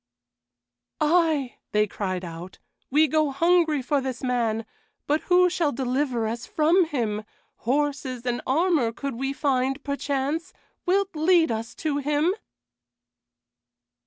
"Ay!" they cried out, "we go hungry for this man, but who shall deliver us from him? Horses and armor could we find, perchance. Wilt lead us to him?"